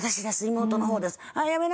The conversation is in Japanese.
妹の方です」。